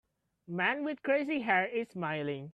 Man with crazy hair is smiling.